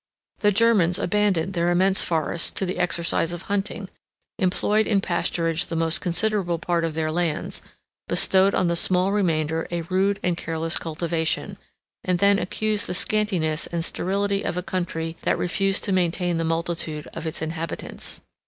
36 The Germans abandoned their immense forests to the exercise of hunting, employed in pasturage the most considerable part of their lands, bestowed on the small remainder a rude and careless cultivation, and then accused the scantiness and sterility of a country that refused to maintain the multitude of its inhabitants.